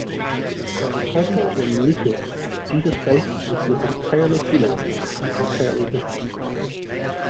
According to Melito, Jesus Christ was both entirely human and entirely divine.